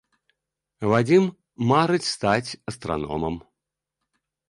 Вадзім марыць стаць астраномам.